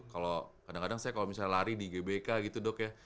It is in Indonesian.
kalau kadang kadang saya kalau misalnya lari di gbk gitu dok ya